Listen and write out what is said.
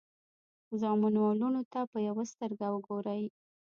زامنو او لوڼو ته په یوه سترګه وګورئ.